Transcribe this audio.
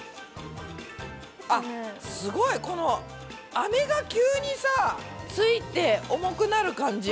あっすごいこのアメが急にさついて重くなる感じ。